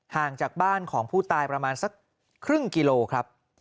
ห่างจากบ้านของผู้ตายประมาณสักครึ่งกิโลครับ